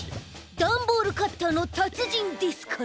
ダンボールカッターのたつじんですから。